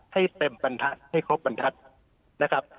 ให้เต็มปันทัดให้ครบปันทัดนะครับ